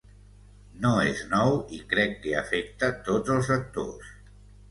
No és nou i crec que afecta tots els actors.